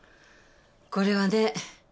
これはね